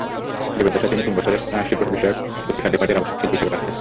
জীবদ্দশায় তিনি তিন বছর শিল্পবিষয়ক পত্রিকা ডেপার্ট-এর আবাসিক শিল্পী হিসেবে কাজ করেছিলেন।